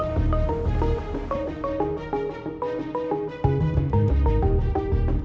aku mau ke rumah